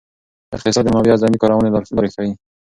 اقتصاد د منابعو اعظمي کارونې لارې ښيي.